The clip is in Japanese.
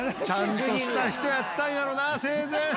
ちゃんとした人やったんやろな生前。